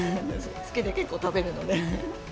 好きで結構食べるので。